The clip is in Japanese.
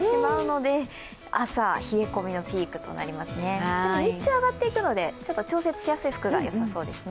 でも、日中上がっていくので調節しやすい服がよさそうですね。